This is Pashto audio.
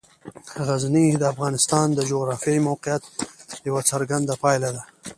غزني د افغانستان د جغرافیایي موقیعت یوه څرګنده پایله ده.